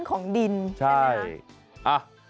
ชั้นของดินใช่ไหมครับ